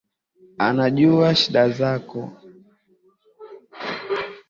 Anajua shida zako.